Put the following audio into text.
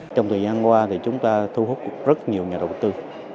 trong thời gian qua thì chúng ta thu hút rất nhiều nhà đầu tư